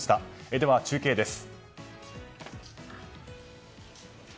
では、中継です。